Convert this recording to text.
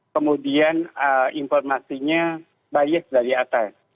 kemudian informasinya bias dari atas